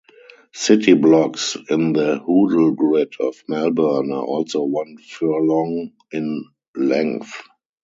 City blocks in the Hoddle Grid of Melbourne are also one furlong in length.